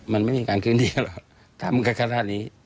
มันไม่มีการเคลื่อนที่หรอกทำกันขนาดนี้